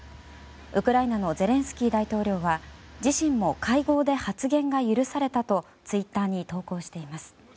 ウクライナのゼレンスキー大統領は自身も会合で発言が許されたとツイッターに投稿しています。